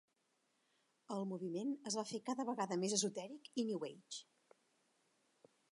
El moviment es va fer cada vegada més esotèric i New Age.